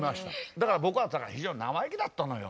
だから僕は非常に生意気だったのよ。